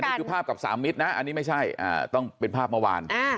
นี่คือภาพกับสามมิตรนะอันนี้ไม่ใช่ต้องเป็นภาพเมื่อวาน